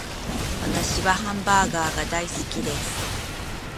私はハンバーガーが大好きです